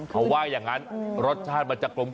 เขาว่าอย่างนั้นรสชาติมันจะกลม